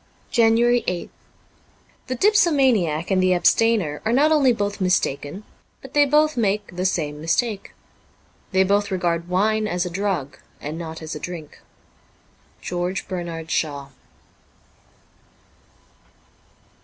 JANUARY 8th THE dipsomaniac and the abstainer are not only both mistaken, but they both make the same mistake. They both regard wine as a drug and not as a drink. ' George Bernard Shaw.'